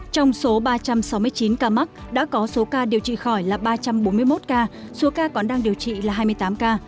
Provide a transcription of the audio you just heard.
trong số ba trăm sáu mươi chín ca mắc đã có số ca điều trị khỏi là ba trăm bốn mươi một ca số ca còn đang điều trị là hai mươi tám ca